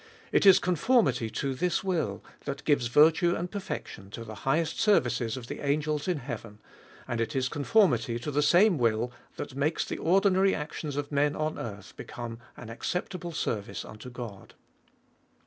It is con formity to this will, that gives virtue and perfection to the highest services of angels in heaven ; and it is conformity to the same will that makes the ordinary actions of men on earth become an acceptable service unto God.